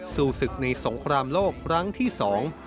สู่ศึกในสงครามโลกครั้งที่สอง